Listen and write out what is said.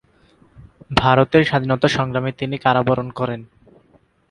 ভারতের স্বাধীনতা সংগ্রামে তিনি কারাবরণ করেন।